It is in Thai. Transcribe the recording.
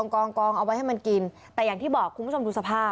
กองกองเอาไว้ให้มันกินแต่อย่างที่บอกคุณผู้ชมดูสภาพ